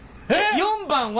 ４番は？